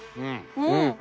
うん！